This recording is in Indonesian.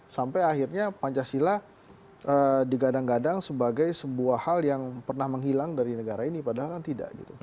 sampai akhirnya pancasila digadang gadang sebagai sebuah hal yang pernah menghilang dari negara ini padahal kan tidak